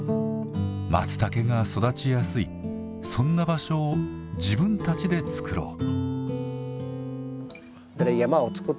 まつたけが育ちやすいそんな場所を自分たちで作ろう。